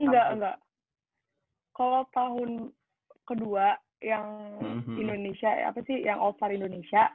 enggak enggak kalo tahun ke dua yang indonesia apa sih yang all star indonesia